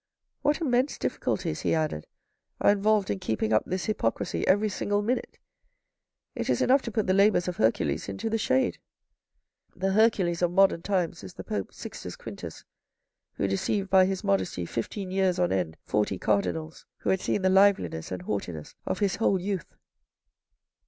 What immense difficulties," he added, "are involved in keeping up this hypocrisy every single minute. It is enough to put the labours of Hercules into the shade. The Hercules of modern times is the Pope Sixtus Quintus, who deceived by his modesty fifteen years on end forty Cardinals who had seen the liveliness and haughtiness of his whole youth.